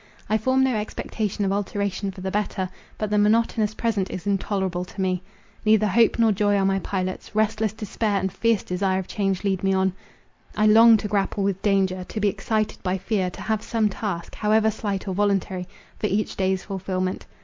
I form no expectation of alteration for the better; but the monotonous present is intolerable to me. Neither hope nor joy are my pilots—restless despair and fierce desire of change lead me on. I long to grapple with danger, to be excited by fear, to have some task, however slight or voluntary, for each day's fulfilment.